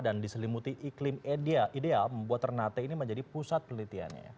dan diselimuti iklim ideal membuat ternate ini menjadi pusat penelitiannya